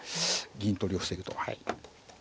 銀取りを防ぐと。